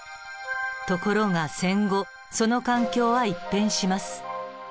ところが戦後その環境は一変します。